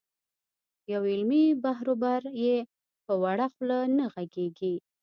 پر علمي بحروبر یې په وړه خوله نه غږېږې.